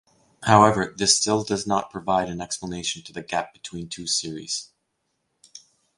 However, this still does not provide an explanation to the gap between two series.